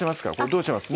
どうします？